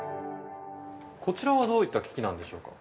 こちらはどういった機器なのでしょうか？